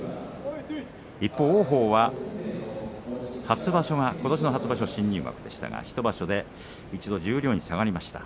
一方、王鵬はことしの初場所、新入幕でしたが１場所で一度十両に下がりました。